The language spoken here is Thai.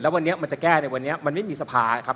วันนี้มันจะแก้ในวันนี้มันไม่มีสภานะครับ